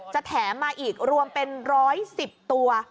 แถมมาอีกรวมเป็น๑๑๐ตัว